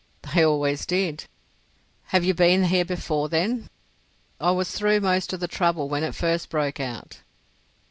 "They always did." "Have you been here before, then?" "I was through most of the trouble when it first broke out."